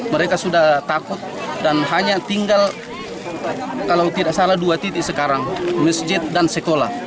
mereka sudah takut dan hanya tinggal kalau tidak salah dua titik sekarang masjid dan sekolah